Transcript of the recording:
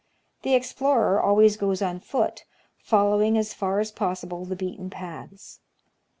The explorer always goes on foot, following as far as possible the beaten paths.